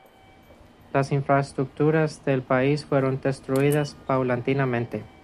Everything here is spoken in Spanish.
Las infraestructuras del país fueron destruidas paulatinamente.